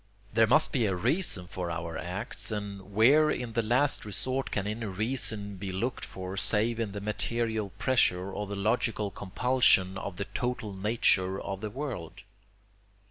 There must be a reason for our acts, and where in the last resort can any reason be looked for save in the material pressure or the logical compulsion of the total nature of the world?